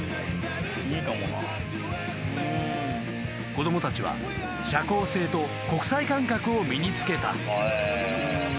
［子供たちは社交性と国際感覚を身に付けた］